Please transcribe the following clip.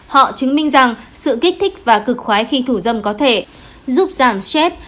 họ chứng minh rằng sự kích thích và cực khoái khi thủ dâm có thể giúp giảm stress